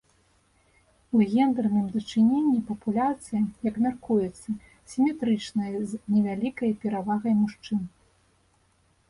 У гендэрным дачыненні папуляцыя, як мяркуецца, сіметрычная, з невялікай перавагай мужчын.